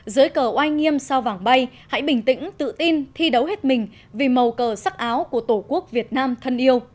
dưới cờ oai nghiêm sao vàng bay hãy bình tĩnh tự tin thi đấu hết mình vì màu cờ sắc áo của tổ quốc việt nam thân yêu